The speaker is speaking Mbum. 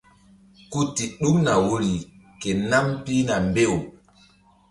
Ku ti ɗukna woyri ke nam pihna mbew.